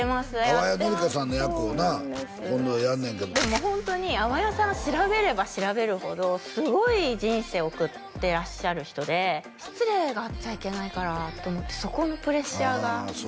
淡谷のり子さんの役をな今度やるねんけどでもホントに淡谷さん調べれば調べるほどすごい人生を送ってらっしゃる人で失礼があっちゃいけないからってそこのプレッシャーがああ